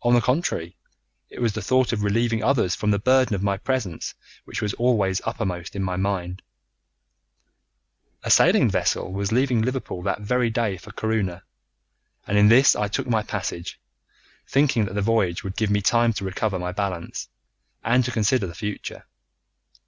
On the contrary, it was the thought of relieving others from the burden of my presence which was always uppermost in my mind. A sailing vessel was leaving Liverpool that very day for Corunna, and in this I took my passage, thinking that the voyage would give me time to recover my balance, and to consider the future.